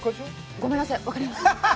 ごめんなさい、分かりません。